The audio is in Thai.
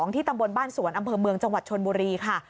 ที่ตำบลบ้านสวนอำเภอเมืองจังหวัดชนบุรีค่ะ